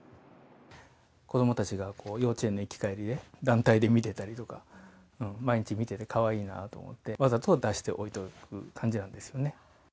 子どもたちが幼稚園の行き帰りで団体で見てたりとか、毎日、見ててかわいいなと思って、わざと出しておいたという感じなんですよね。